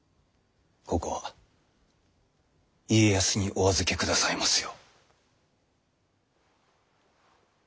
ここは家康にお預けくださいますよう。